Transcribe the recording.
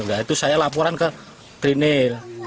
nah itu saya laporan ke trinil